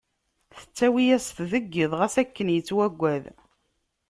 Tettawi-yas-t deg iḍ, ɣas akken yettwaggad.